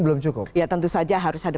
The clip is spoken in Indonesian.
belum cukup ya tentu saja harus ada